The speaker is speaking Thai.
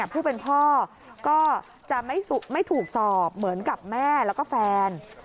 ผู้เป็นพ่อก็จะไม่ถูกสอบเหมือนกับแม่แล้วก็แฟน